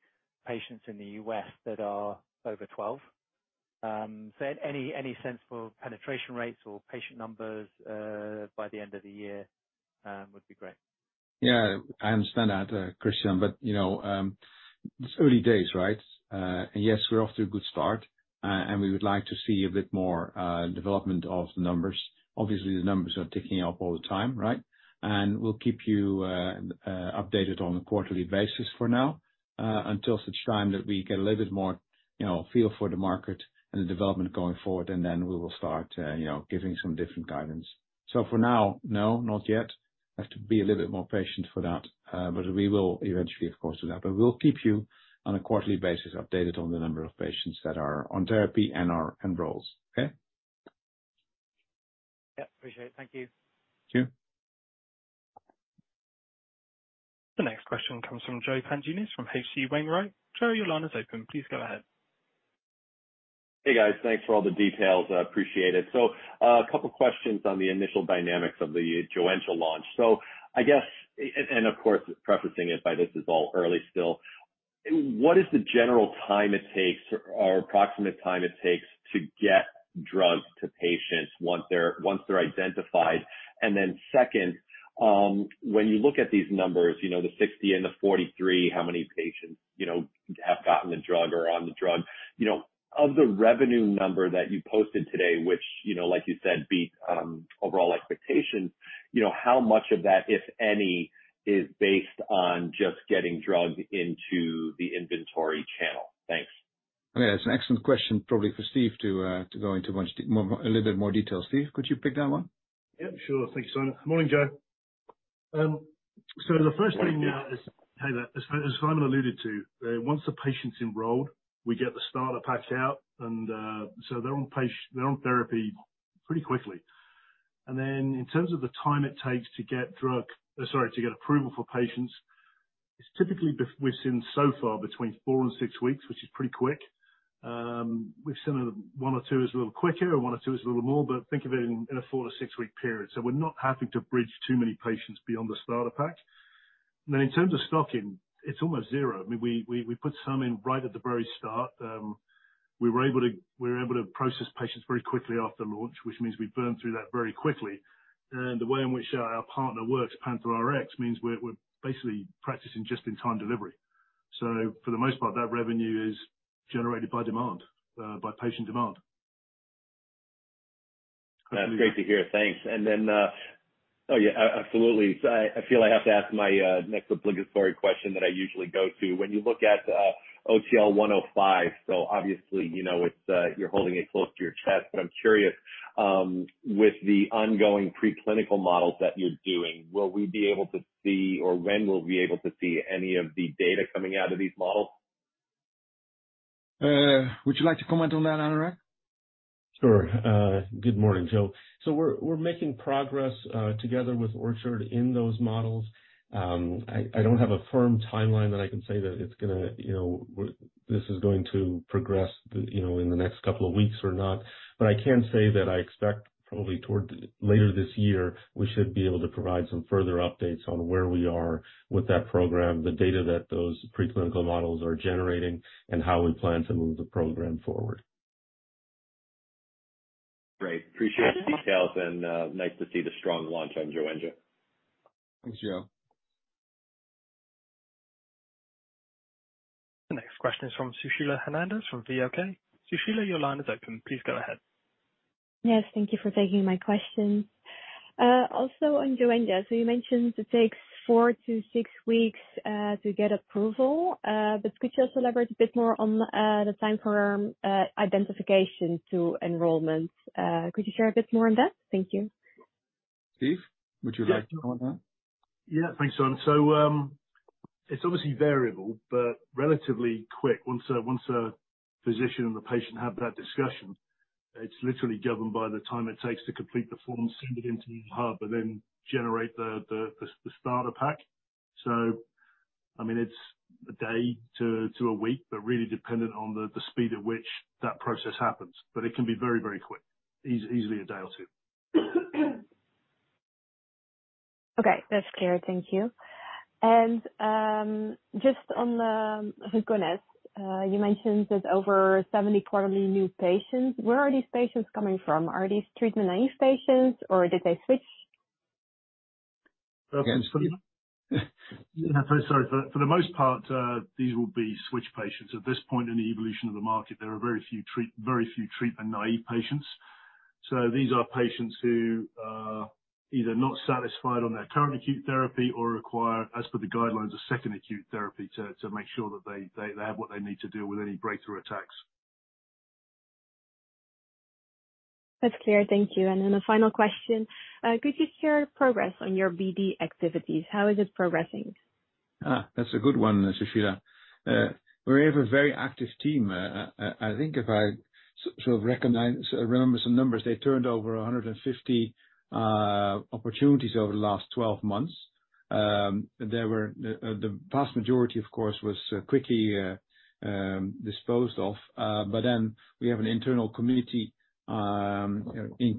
Speaker 6: patients in the US that are over 12. ... Any, any sense for penetration rates or patient numbers, by the end of the year, would be great.
Speaker 2: Yeah, I understand that, Christian, but, you know, it's early days, right? Yes, we're off to a good start, and we would like to see a bit more development of the numbers. Obviously, the numbers are ticking up all the time, right? We'll keep you updated on a quarterly basis for now, until such time that we get a little bit more, you know, feel for the market and the development going forward, then we will start, you know, giving some different guidance. For now, no, not yet. Have to be a little bit more patient for that, but we will eventually, of course, do that. We'll keep you, on a quarterly basis, updated on the number of patients that are on therapy and are enrolled. Okay?
Speaker 6: Yeah. Appreciate it. Thank you.
Speaker 2: Thank you.
Speaker 1: The next question comes from Joe Pantginis from H.C. Wainwright. Joe, your line is open. Please go ahead.
Speaker 7: Hey, guys. Thanks for all the details. I appreciate it. A couple questions on the initial dynamics of the Joenja launch. I guess, and, of course, prefacing it by this is all early still, what is the general time it takes or approximate time it takes to get drugs to patients once they're, once they're identified? Then second, when you look at these numbers, you know, the 60 and the 43, how many patients, you know, have gotten the drug or are on the drug? You know, of the revenue number that you posted today, which, you know, like you said, beat, overall expectations, you know, how much of that, if any, is based on just getting drug into the inventory channel? Thanks.
Speaker 2: Yeah. It's an excellent question, probably for Steve to to go into much more, a little bit more detail. Steve, could you pick that one?
Speaker 4: Yeah, sure. Thank you, Sijmen. Morning, Joe. The first thing is, as Sijmen alluded to, once the patient's enrolled, we get the starter packs out, so they're on therapy pretty quickly. In terms of the time it takes to get drug... Sorry, to get approval for patients, it's typically we've seen so far between 4 and 6 weeks, which is pretty quick. We've seen 1 or 2 is a little quicker, and 1 or 2 is a little more, but think of it in a 4 to 6-week period. We're not having to bridge too many patients beyond the starter pack. In terms of stocking, it's almost 0. I mean, we put some in right at the very start. We were able to, we were able to process patients very quickly after launch, which means we burned through that very quickly. The way in which our partner works, PANTHERx, means we're, we're basically practicing just-in-time delivery. For the most part, that revenue is generated by demand, by patient demand.
Speaker 7: That's great to hear. Thanks. Oh, yeah, absolutely. I, I feel I have to ask my next obligatory question that I usually go to. When you look at OTL-105, so obviously, you know, it's you're holding it close to your chest, but I'm curious, with the ongoing preclinical models that you're doing, will we be able to see, or when will we be able to see any of the data coming out of these models?
Speaker 2: Would you like to comment on that, Anurag?
Speaker 3: Sure. Good morning, Joe. We're, we're making progress, together with Orchard in those models. I, I don't have a firm timeline that I can say that it's gonna, you know, this is going to progress, you know, in the next couple of weeks or not. I can say that I expect probably toward later this year, we should be able to provide some further updates on where we are with that program, the data that those preclinical models are generating, and how we plan to move the program forward.
Speaker 7: Great. Appreciate the details, and nice to see the strong launch on Joenja.
Speaker 3: Thanks, Joe.
Speaker 1: The next question is from Sushila Hernandez from VLK. Sushila, your line is open. Please go ahead.
Speaker 8: Yes, thank you for taking my question. Also on Joenja, you mentioned it takes four to six weeks to get approval. Could you elaborate a bit more on the time for identification to enrollment? Could you share a bit more on that? Thank you.
Speaker 2: Steve, would you like to comment on that?
Speaker 4: Yeah. Thanks, Sijmen. It's obviously variable, but relatively quick. Once a physician and the patient have that discussion, it's literally governed by the time it takes to complete the form, send it into the hub, and then generate the starter pack. I mean, it's a day to a week, but really dependent on the speed at which that process happens. It can be very, very quick. Easily a day or two.
Speaker 8: Okay, that's clear. Thank you. Just on the leniolisib, you mentioned that over 70 quarterly new patients, where are these patients coming from? Are these treatment-naive patients, or did they switch?
Speaker 2: Okay.
Speaker 4: Yeah, very sorry. For the most part, these will be switched patients. At this point in the evolution of the market, there are very few treatment-naive patients. These are patients who are either not satisfied on their current acute therapy or require, as per the guidelines, a second acute therapy to make sure that they have what they need to deal with any breakthrough attacks.
Speaker 8: That's clear. Thank you. Then a final question, could you share progress on your BD activities? How is it progressing?
Speaker 2: Ah, that's a good one, Sushila. We have a very active team. I, I think if I sort of recognize remember some numbers, they turned over 150 opportunities over the last 12 months. There were, the, the vast majority, of course, was quickly disposed of. But then we have an internal committee, increasing, including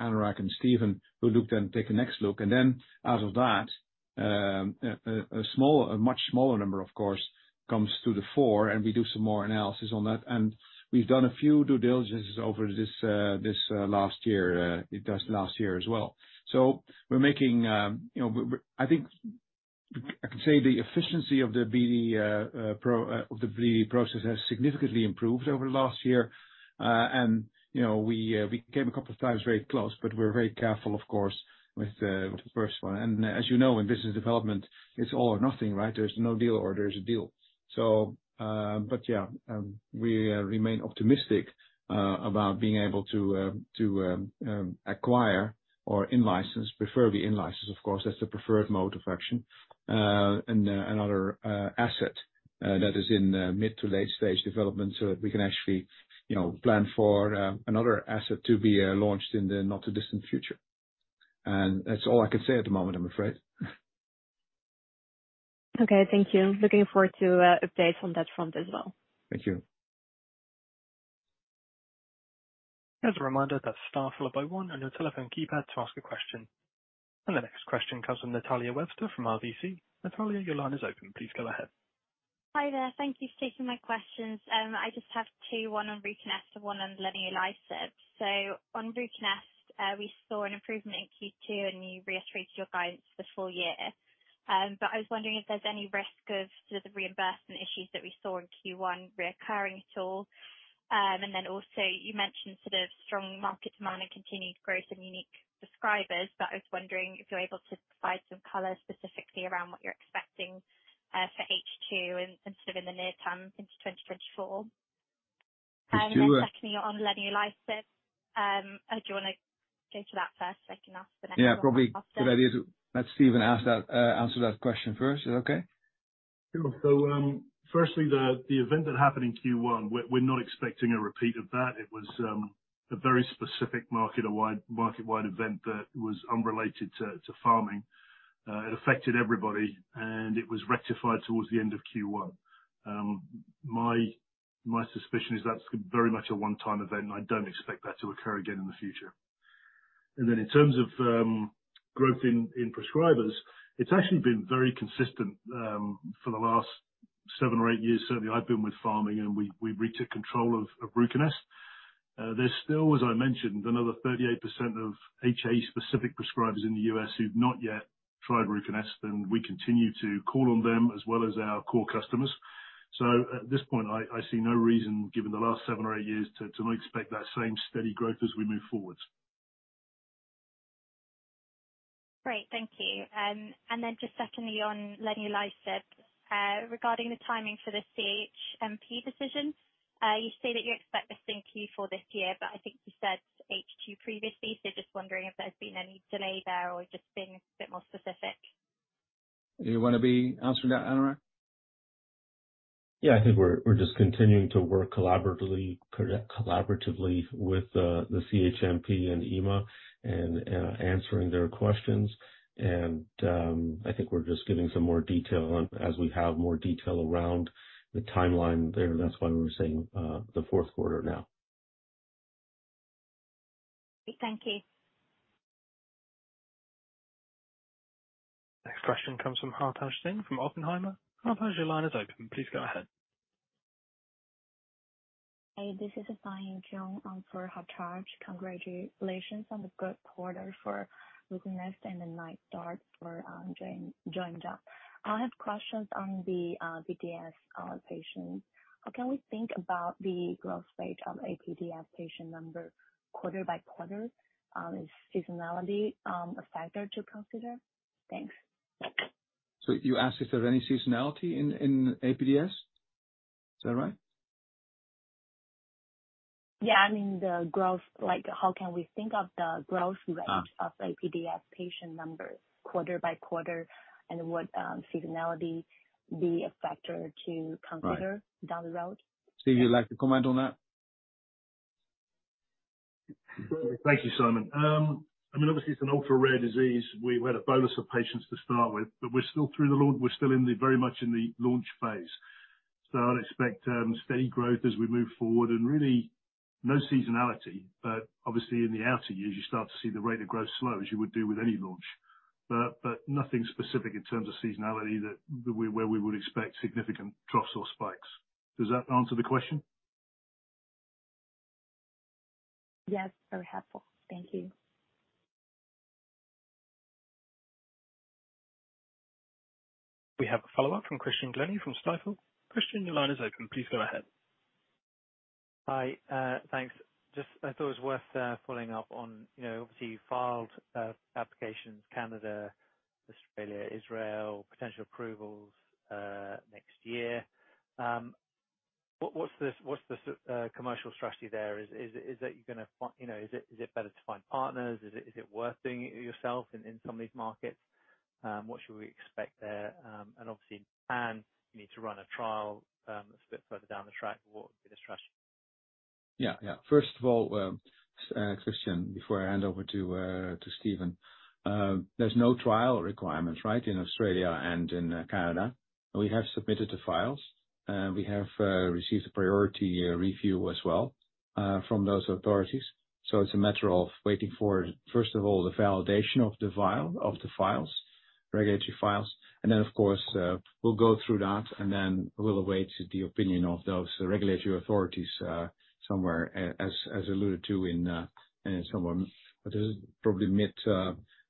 Speaker 2: Anurag and Stephen, who looked and take the next look. Then out of that a small, a much smaller number, of course, comes to the fore, and we do some more analysis on that. We've done a few due diligences over this, this last year, just last year as well. We're making, you know, I think, I can say the efficiency of the BD process has significantly improved over the last year. You know, we came a couple of times very close, but we're very careful, of course, with the first one. As you know, in business development, it's all or nothing, right? There's no deal or there's a deal. But yeah, we remain optimistic about being able to acquire or in-license, preferably in-license, of course, that's the preferred mode of action. Another asset that is in mid to late stage development, so that we can actually, you know, plan for another asset to be launched in the not-too-distant future. That's all I can say at the moment, I'm afraid.
Speaker 9: Okay, thank you. Looking forward to updates on that front as well.
Speaker 2: Thank you.
Speaker 1: As a reminder, press Star followed by One on your telephone keypad to ask a question. The next question comes from Natalia Webster from RBC. Natalia, your line is open. Please go ahead.
Speaker 10: Hi there. Thank you for taking my questions. I just have 2, one on RUCONEST and one on leniolisib. On RUCONEST, we saw an improvement in Q2, and you reiterated your guidance for the full year. I was wondering if there's any risk of sort of the reimbursement issues that we saw in Q1 reoccurring at all. Then also, you mentioned sort of strong market demand and continued growth in unique prescribers. I was wondering if you're able to provide some color specifically around what you're expecting for H2 and sort of in the near term into 2024.
Speaker 2: Um, uh-
Speaker 10: Then secondly, on leniolisib, do you want to go to that first, so I can ask the next one after?
Speaker 2: Yeah, probably a good idea to let Stephen ask that, answer that question first. Is that okay?
Speaker 4: Sure. Firstly, the, the event that happened in Q1, we're, we're not expecting a repeat of that. It was a very specific market-wide, market-wide event that was unrelated to Pharming. It affected everybody, and it was rectified towards the end of Q1. My, my suspicion is that's very much a one-time event, and I don't expect that to occur again in the future. In terms of growth in, in prescribers, it's actually been very consistent for the last 7 or 8 years. Certainly, I've been with Pharming, and we, we retook control of, of RUCONEST. There's still, as I mentioned, another 38% of HAE-specific prescribers in the US who've not yet tried RUCONEST, and we continue to call on them as well as our core customers. At this point, I, I see no reason, given the last seven or eight years, to, to expect that same steady growth as we move forward.
Speaker 10: Great. Thank you. Just secondly, on leniolisib, regarding the timing for the CHMP decision, you say that you expect this in Q4 this year, but I think you said H2 previously. Just wondering if there's been any delay there or just being a bit more specific?
Speaker 2: Do you want to be answering that, Henri?
Speaker 3: Yeah. I think we're, we're just continuing to work collaboratively, collaboratively with the CHMP and EMA and answering their questions. I think we're just giving some more detail on... as we have more detail around the timeline there. That's why we're saying, the fourth quarter now.
Speaker 10: Thank you.
Speaker 1: Next question comes from Hartaj Singh from Oppenheimer. Hartaj, your line is open. Please go ahead.
Speaker 11: Hey, this is Asahi Jeong, for Hartaj. Congratulations on the good quarter for RUCONEST and the nice start for Joyn- Joenja. I have questions on the BDNF patient. How can we think about the growth rate of APDS patient number, quarter by quarter? Is seasonality a factor to consider? Thanks.
Speaker 2: You asked if there's any seasonality in, in APDS? Is that right?
Speaker 11: Yeah, I mean, the growth, like, how can we think of the growth rate...
Speaker 2: Ah.
Speaker 11: of APDS patient numbers quarter by quarter, and would, seasonality be a factor to consider?
Speaker 2: Right.
Speaker 11: down the road?
Speaker 2: Stephen, you'd like to comment on that?
Speaker 4: Thank you, Sijmen. I mean, obviously it's an ultra-rare disease. We had a bonus of patients to start with, but we're still through the launch. We're still in the, very much in the launch phase. I'd expect steady growth as we move forward, and really no seasonality. Obviously, in the outer years, you start to see the rate of growth slow, as you would do with any launch. Nothing specific in terms of seasonality that, where, where we would expect significant drops or spikes. Does that answer the question?
Speaker 11: Yes. Very helpful. Thank you.
Speaker 1: We have a follow-up from Christian Glennie from Stifel. Christian, your line is open. Please go ahead.
Speaker 6: Hi, thanks. Just I thought it was worth following up on, you know, obviously you filed applications, Canada, Australia, Israel, potential approvals next year. What, what's the, what's the s- commercial strategy there? Is, is, is that you're gonna find... You know, is it, is it better to find partners? Is it, is it worth doing it yourself in, in some of these markets? What should we expect there? And obviously, in Japan, you need to run a trial a bit further down the track. What would be the strategy?
Speaker 2: Yeah, yeah. First of all, Christian, before I hand over to Stephen, there's no trial requirements, right, in Australia and in Canada. We have submitted the files, we have received a priority review as well. From those authorities. It's a matter of waiting for, first of all, the validation of the file, of the files, regulatory files. Then, of course, we'll go through that, and then we'll await the opinion of those regulatory authorities, somewhere as, as alluded to in some of them. Probably mid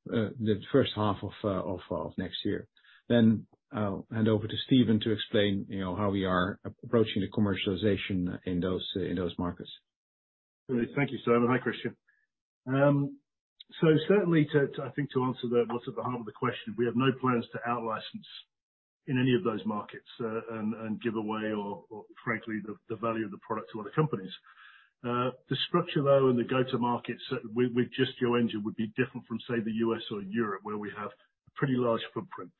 Speaker 2: the first half of next year. I'll hand over to Stephen to explain, you know, how we are approaching the commercialization in those, in those markets.
Speaker 4: Great. Thank you, Anurag. Hi, Christian. Certainly to, I think, to answer the, what's at the heart of the question, we have no plans to out-license in any of those markets, and give away or, or frankly, the, the value of the product to other companies. The structure, though, in the go-to markets, with just Joenja would be different from, say, the US or Europe, where we have a pretty large footprint.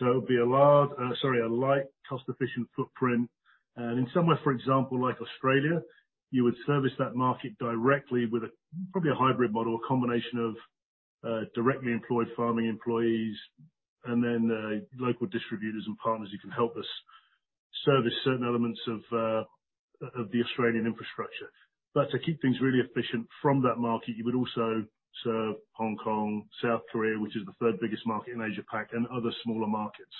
Speaker 4: It would be a large, sorry, a light, cost-efficient footprint. In somewhere, for example, like Australia, you would service that market directly with a, probably a hybrid model, a combination of, directly employed Pharming employees and then, local distributors and partners who can help us service certain elements of, of the Australian infrastructure. To keep things really efficient from that market, you would also serve Hong Kong, South Korea which is the third biggest market in Asia-Pac, and other smaller markets.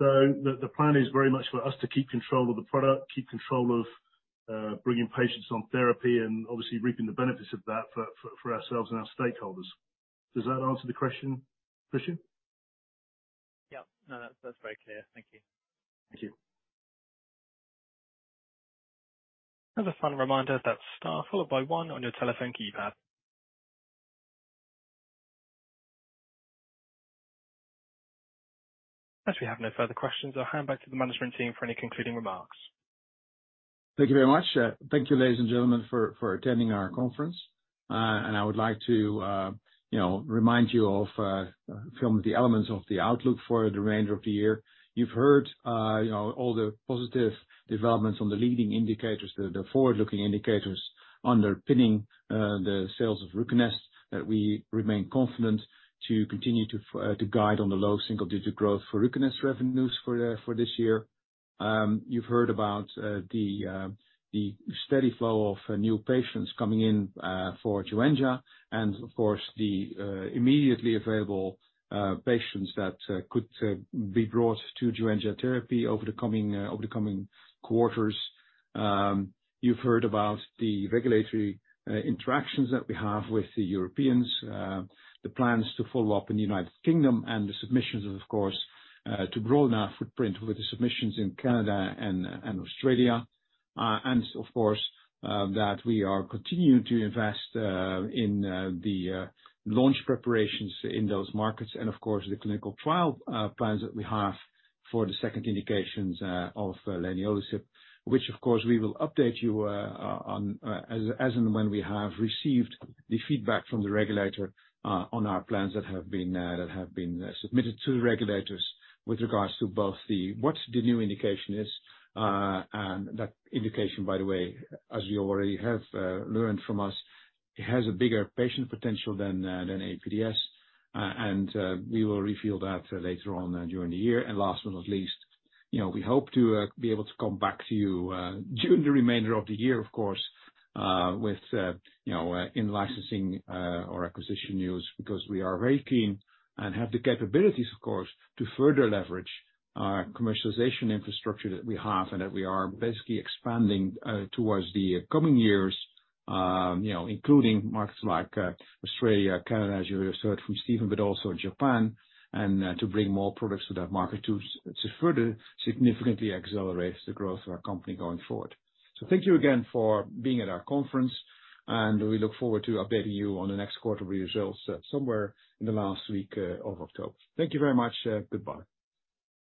Speaker 4: The, the plan is very much for us to keep control of the product, keep control of bringing patients on therapy, and obviously reaping the benefits of that for, for, for ourselves and our stakeholders. Does that answer the question, Christian?
Speaker 12: Yeah. No, that's, that's very clear. Thank you.
Speaker 4: Thank you.
Speaker 1: As a final reminder, that's star followed by one on your telephone keypad. As we have no further questions, I'll hand back to the management team for any concluding remarks.
Speaker 2: Thank you very much. Thank you, ladies and gentlemen, for, for attending our conference. I would like to, you know, remind you of some of the elements of the outlook for the remainder of the year. You've heard, you know, all the positive developments on the leading indicators, the, the forward-looking indicators underpinning the sales of RUCONEST, that we remain confident to continue to f- to guide on the low single-digit growth for RUCONEST revenues for this year. You've heard about the, the steady flow of new patients coming in for Joenja, and of course, the immediately available patients that could be brought to Joenja therapy over the coming over the coming quarters. You've heard about the regulatory interactions that we have with the Europeans, the plans to follow up in the United Kingdom, and the submissions, of course, to grow our footprint with the submissions in Canada and, and Australia. Of course, that we are continuing to invest in the launch preparations in those markets, and of course, the clinical trial plans that we have for the second indications of leniolisib, which, of course, we will update you on as and when we have received the feedback from the regulator on our plans that have been that have been submitted to the regulators with regards to both the, what the new indication is. That indication, by the way, as you already have learned from us, it has a bigger patient potential than than APDS, and we will reveal that later on during the year. Last but not least, you know, we hope to be able to come back to you during the remainder of the year, of course, with, you know, in licensing, or acquisition news, because we are very keen and have the capabilities, of course, to further leverage our commercialization infrastructure that we have and that we are basically expanding towards the coming years, you know, including markets like Australia, Canada, as you heard from Steven, but also Japan, and to bring more products to that market to, to further significantly accelerate the growth of our company going forward. Thank you again for being at our conference, and we look forward to updating you on the next quarterly results, somewhere in the last week of October. Thank you very much. Goodbye.